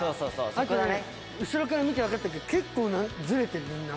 あとね後ろから見てわかったけど結構ズレてるみんな。